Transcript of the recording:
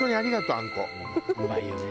うまいよね。